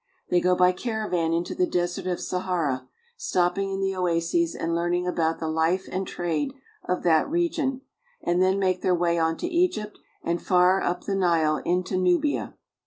They go by caravan into the Desert of Sahara, stopping in the oases and learning about the life and trade of that region ; and then make their way on to Egypt and far up the Nile into Nubia.